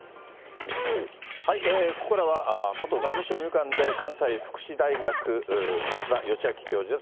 ここからは、元外務省医務官で関西福祉大学、勝田吉彰教授です。